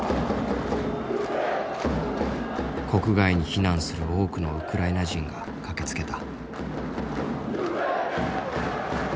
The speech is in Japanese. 国外に避難する多くのウクライナ人が駆けつけた。